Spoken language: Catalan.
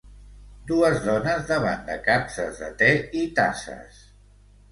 Dues dones davant de capses de té i tasses.